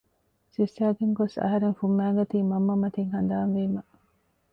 ސިއްސައިގެން ގޮސް އަހަރެން ފުއްމައިގަތީ މަންމަ މަތިން ހަނދާން ވީމަ